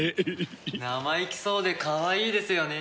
生意気そうでかわいいですよね。